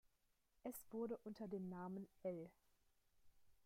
Es wurde unter dem Namen "L.